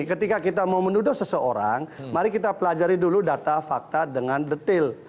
ketika kita mau menuduh seseorang mari kita pelajari dulu data fakta dengan detail